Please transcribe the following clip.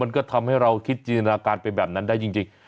มันก็ทำให้เราคิดจินตนาการเป็นแบบนั้นได้จริง